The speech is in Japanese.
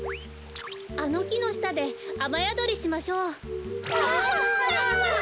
あのきのしたであまやどりしましょう。わ！